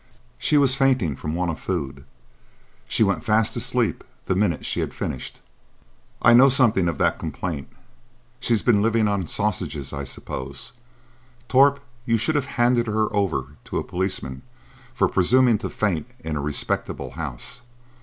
She was fainting from want of food. She went fast asleep the minute she had finished." "I know something of that complaint. She's been living on sausages, I suppose. Torp, you should have handed her over to a policeman for presuming to faint in a respectable house.